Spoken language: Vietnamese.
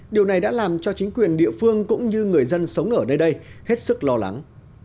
điều này đã làm cho chính quyền địa phương cũng như người dân sống ở nơi đây hết sức lo lắng